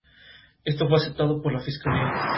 Esto fue aceptado por la fiscalía.